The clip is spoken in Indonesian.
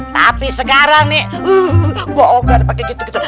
tapi sekarang nih gue obat pakai gitu gitu